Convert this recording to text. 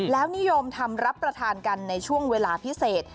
แล้วนิยมทำรับประทานกันในช่วงเวลาพิเศษ